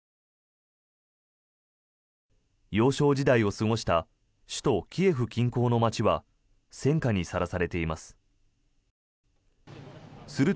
幼少時代を過ごした首都キエフ近郊の街は戦火にさらされています。